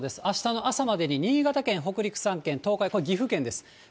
あしたの朝までに新潟県、北陸３県、東海、これ、岐阜県です。